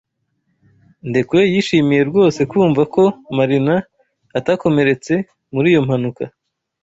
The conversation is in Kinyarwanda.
Ndekwe yishimiye rwose kumva ko Marina atakomeretse muri iyo mpanuka.